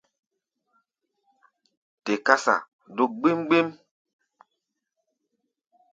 Te kása dúk gbím-gbím.